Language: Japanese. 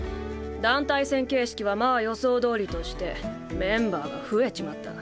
団体戦形式はまあ予想どおりとしてメンバーが増えちまった。